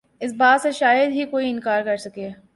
اس بات سے شاید ہی کوئی انکار کرسکے